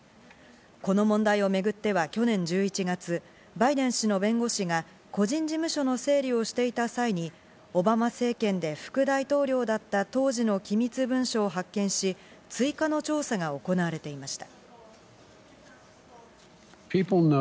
この問題をめぐっては去年１１月、バイデン氏の弁護士が個人事務所の整理をしていた際に、オバマ政権で副大統領だった当時の機密文書を発見し、追加の調査が行われていました。